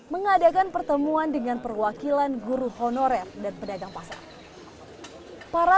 mengadakan pertemuan dengan perwakilan guru honorer dan pedagang pasar para